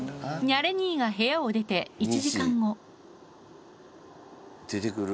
ニャレ兄が部屋を出て１時間後出てくる？